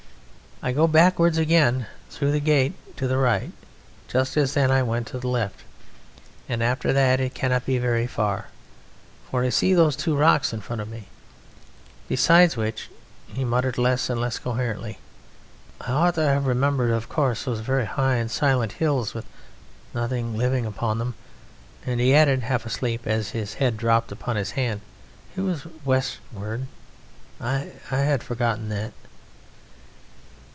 I go backwards again through the gate to the right, just as then I went to the left, and after that it cannot be very far, for I see those two rocks in front of me. Besides which," he muttered less and less coherently, "I ought to have remembered of course those very high and silent hills with nothing living upon them...." And he added, half asleep, as his head dropped upon his hand, "It was westward.... I had forgotten that."